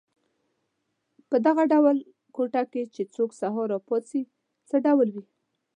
په دغه ډول کوټه کې چې څوک سهار را پاڅي څه ډول وي.